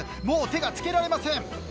もう手が付けられません。